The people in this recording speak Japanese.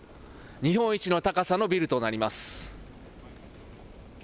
日本一の高さのビルとなります。